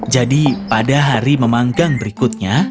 jadi pada hari memanggang berikutnya